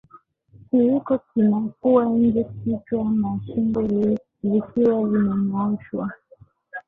Kiwiko kinakuwa nje kichwa na shingo vikiwa vimenyooshwa